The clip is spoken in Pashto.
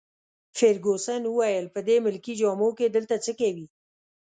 فرګوسن وویل: په دې ملکي جامو کي دلته څه کوي؟